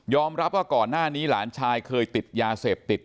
รับว่าก่อนหน้านี้หลานชายเคยติดยาเสพติด